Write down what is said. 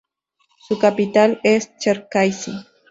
Su capital es Cherkasy.